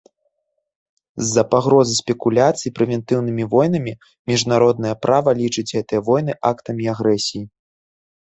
З-за пагрозы спекуляцый прэвентыўнымі войнамі міжнароднае права лічыць гэтыя войны актамі агрэсіі.